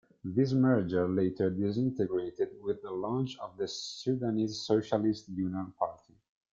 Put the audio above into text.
This merger later disintegrated with the launch of the Sudanese Socialist Union Party.